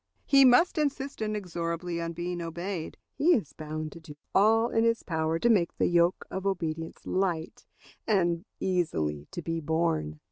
He must insist inexorably on being obeyed; but he is bound to do all in his power to make the yoke of obedience light and easily to be borne.